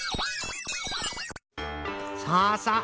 さあさあ